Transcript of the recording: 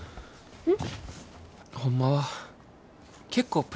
うん。